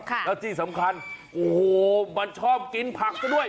แล้วที่สำคัญโอ้โหมันชอบกินผักซะด้วย